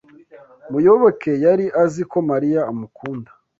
Muyoboke yari azi ko Mariya amukunda.